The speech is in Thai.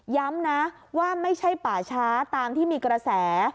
ย้ำนะว่าไม่ใช่ป่าช้าตามที่มีกระแส